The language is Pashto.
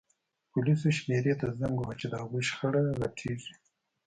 پولیسو شمېرې ته زنګ ووهه چې د هغوی شخړه غټیږي